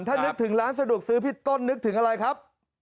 ถ้านึกถึงร้านสะดวกซื้อพี่ต้นนึกถึงอะไรครับ